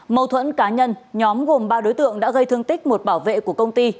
mâu thuẫn cá nhân nhóm gồm ba đối tượng đã gây thương tích một bảo vệ của công ty